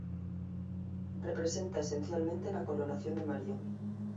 Representa esencialmente la coronación de María.